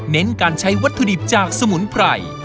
เน้นการใช้วัตถุดิบจากสมุนไพร